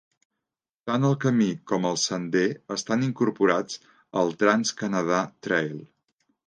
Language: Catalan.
Tant el camí com el sender estan incorporats al Trans-Canada Trail.